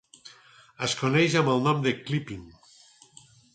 És coneix amb el nom de "clipping".